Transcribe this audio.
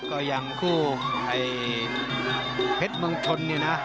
ก็อย่างคู่ไอ้เพชรเมืองชนเนี่ยนะ